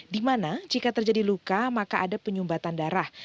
di mana jika terjadi luka maka ada penyumbatan darah